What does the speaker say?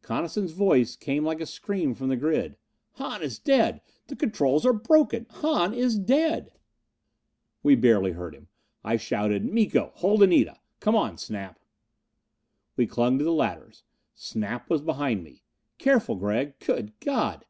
Coniston's voice came like a scream from the grid. "Hahn is dead the controls are broken! Hahn is dead!" We barely heard him. I shouted, "Miko hold Anita! Come on, Snap!" We clung to the ladders. Snap was behind me. "Careful, Gregg! Good God!"